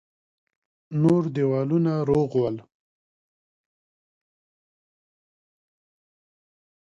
نور دېوالونه روغ ول.